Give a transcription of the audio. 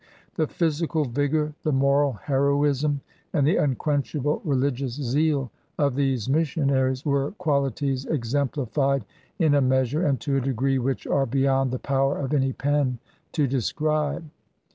The physical vigor, the moral heroism, and the unquenchable religious zeal of these missionaries were qualities exemplified in a measure and to a degree which are beyond the power of any pen to describe.